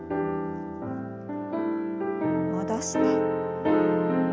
戻して。